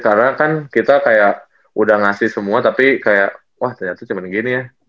karena kan kita kayak udah ngasih semua tapi kayak wah ternyata cuman gini ya